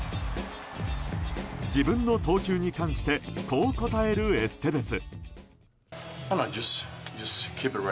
自分の投球に関してこう答えるエステベス。